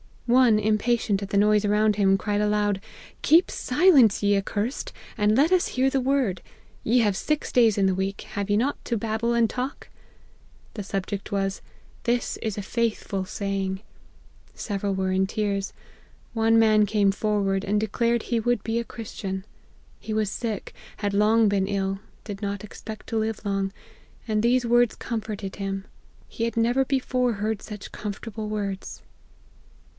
One, impatient at the noise around him, cried aloud, 4 Keep silence, ye accursed, and let us hear the Word ! Ye have six days in the week, have ye not, to babble and talk ?' The subject was, ' This is a faithful saying' Several were in tears. One man came forward, and declared he would be a Christian. He was sick, had long been ill, did not expect to live long, and these words comforted him. He had never before heard such comfortable words.